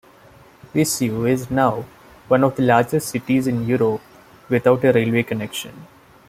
Viseu is now one of the largest cities in Europe without a railway connection.